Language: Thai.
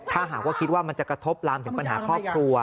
ถ้าหากว่าคิดว่ามันจะกระทบลามถึงปัญหาครอบครัว